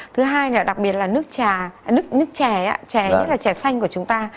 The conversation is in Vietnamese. thứ hai là đặc biệt là nước trà nước trà nhất là trà xanh của chúng ta